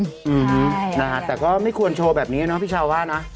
อืมนะฮะแต่ก็ไม่ควรโชว์แบบนี้เนาะพี่ชาวว่านะ